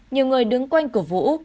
nhiều người đứng quanh cửa vũ